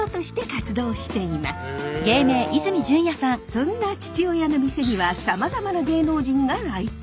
そんな父親の店にはさまざまな芸能人が来店。